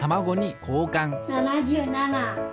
７７。